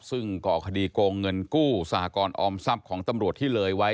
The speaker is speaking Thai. ซึ่งก่อคดีโกงเงินกู้สหกรออมทรัพย์ของตำรวจที่เลยไว้